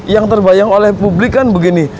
yang terbayang oleh publik kan begini